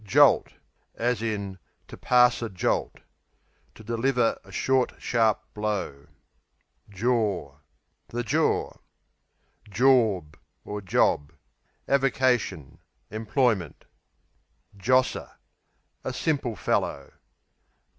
Jolt, to pass a To deliver a short, sharp blow. Jor The jaw. Jorb (Job) Avocation; employment. Josser A simple fellow.